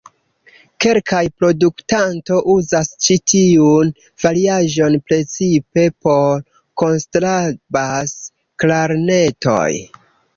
Kelkaj produktanto uzas ĉi tiun variaĵon precipe por konstrabas-klarnetoj.